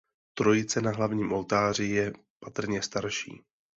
Trojice na hlavním oltáři je patrně starší.